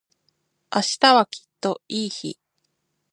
明日はきっといい日